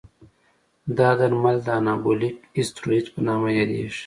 دا درمل د انابولیک استروئید په نامه یادېږي.